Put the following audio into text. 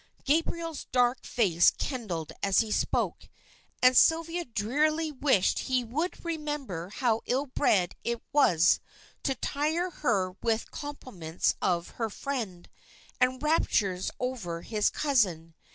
Gabriel's dark face kindled as he spoke, and Sylvia drearily wished he would remember how ill bred it was to tire her with complaints of her friend, and raptures over his cousin.